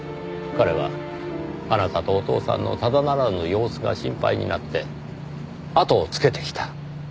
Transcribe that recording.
彼はあなたとお父さんのただならぬ様子が心配になってあとをつけてきた。